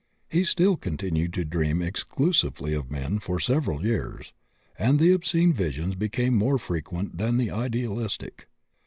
He still continued to dream exclusively of men, for several years; and the obscene visions became more frequent than the idealistic.